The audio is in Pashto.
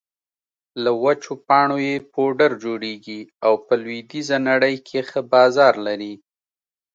له وچو پاڼو يې پوډر جوړېږي او په لویدېزه نړۍ کې ښه بازار لري